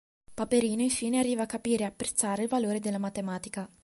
Paperino infine arriva a capire e apprezzare il valore della matematica.